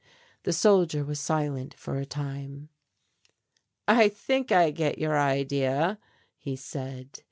The soldier was silent for a time. "I think I get your idea," he said.